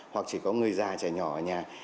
hoặc chỉ có người già trẻ nhỏ ở nhà